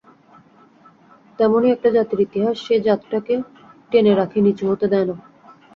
তেমনি একটা জাতির ইতিহাস সেই জাতটাকে টেনে রাখে, নীচু হতে দেয় না।